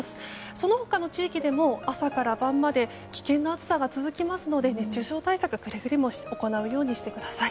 その他の地域でも朝から晩まで危険な暑さが続きますので熱中症対策くれぐれも行うようにしてください。